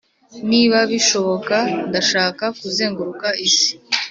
niba bishoboka, ndashaka kuzenguruka isi.